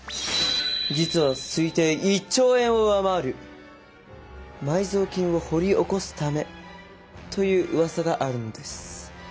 実は推定１兆円を上回る埋蔵金を掘り起こすためといううわさがあるのです。